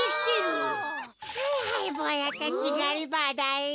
はいはいぼうやたちがりばあだよ。